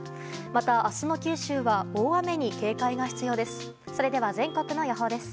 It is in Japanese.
また、明日の九州は大雨に警戒が必要です。